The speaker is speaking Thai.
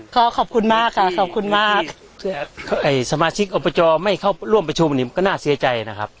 ขอบคุณมากค่ะขอบคุณมากสมาชิกอบจไม่เข้าร่วมประชุมนี่ก็น่าเสียใจนะครับ